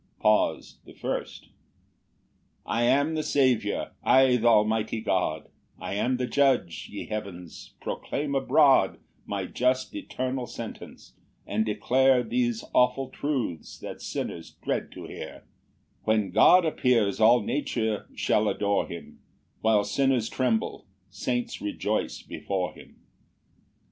PAUSE THE FIRST. 6 "I am the Saviour, I th' almighty God, "I am the Judge: ye heavens, proclaim abroad "My just eternal sentence, and declare "Those awful truths that sinners dread to hear," When God appears all nature shall adore him; While sinners tremble, saints rejoice before him.